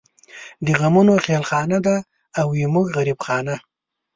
د غمونو خېلخانه ده او زمونږ غريب خانه